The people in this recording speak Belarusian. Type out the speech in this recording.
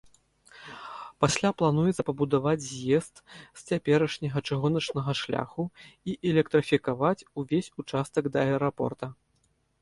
Пасля плануецца пабудаваць з'езд з цяперашняга чыгуначнага шляху і электрыфікаваць увесь участак да аэрапорта.